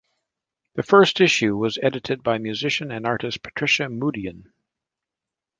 The first issue was edited by musician and artist Patricia Moodian.